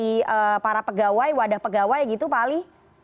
ada evaluasi internal dari para pegawai wadah pegawai gitu pak ali